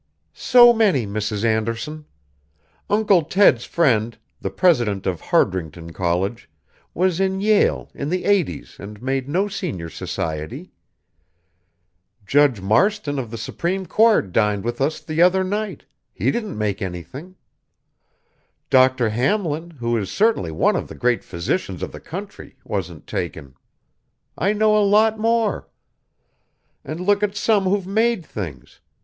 "So many, Mrs. Anderson. Uncle Ted's friend, the President of Hardrington College, was in Yale in the '80's and made no senior society; Judge Marston of the Supreme Court dined with us the other night he didn't make anything; Dr. Hamlin, who is certainly one of the great physicians of the country, wasn't taken. I know a lot more. And look at some who've made things.